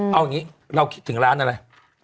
เอาอย่างนี้เราคิดถึงร้านอะไร